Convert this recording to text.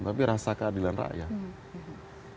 tapi rasa keadilan rakyat